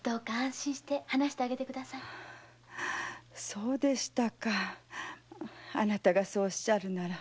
そうでしたかあなたがそうおっしゃるなら。